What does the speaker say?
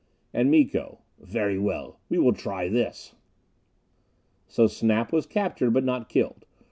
And Miko: "Very well. We will try this." So Snap was captured, but not killed.